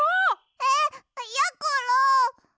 えっやころ！